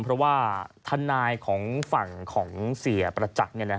เพราะว่าทนายของฝั่งของเสียประจักษ์